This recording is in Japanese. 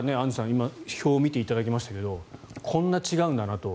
今、表を見ていただきましたがこんな違うんだなと。